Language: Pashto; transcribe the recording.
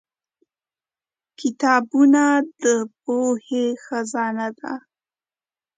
کتابونه د پوهې خزانه ده.